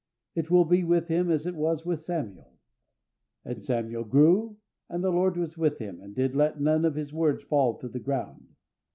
It will be with him as it was with Samuel. "And Samuel grew, and the Lord was with him, and did let none of His words fall to the ground.